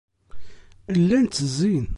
Llan ttezzin.